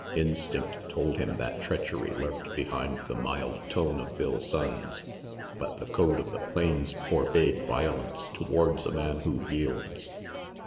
Instinct told him that treachery lurked behind the mild tone of Bill Sonnes; but the code of the plains forbade violence towards a man who yields.